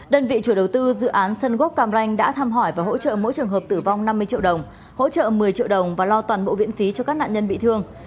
đơn vị chủ đầu tư dự án sân gốc cam ranh đã thăm hỏi và hỗ trợ mỗi trường hợp tử vong năm mươi triệu đồng hỗ trợ một mươi triệu đồng và lo toàn bộ viện phí cho các nạn nhân bị thương